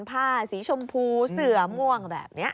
ผ้าสีชมพูเสือม่วงแบบนี้